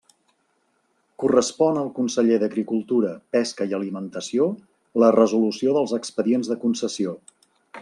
Correspon al conseller d'Agricultura, Pesca i Alimentació la resolució dels expedients de concessió.